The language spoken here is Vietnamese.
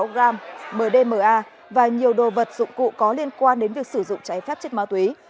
một tám trăm hai mươi sáu gram mdma và nhiều đồ vật dụng cụ có liên quan đến việc sử dụng cháy phép chất ma túy